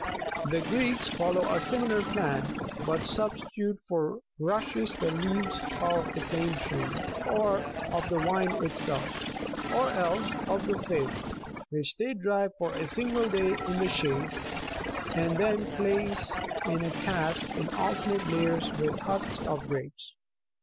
The Greeks follow a similar plan, but substitute for rushes the leaves of the plane tree, or of the vine itself, or else of the fig, which they dry for a single day in the shade, and then place in a cask in alternate layers with husks41 of grapes.